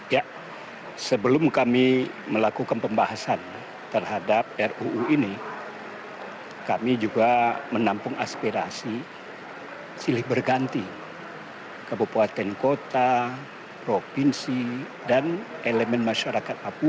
ya sebelum kami melakukan pembahasan terhadap ruu ini kami juga menampung aspirasi silih berganti kabupaten kota provinsi dan elemen masyarakat papua